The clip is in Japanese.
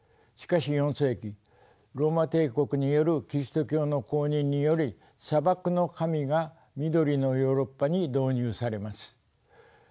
しかし４世紀ローマ帝国によるキリスト教の公認により砂漠の神が緑のヨーロッパに導入されます。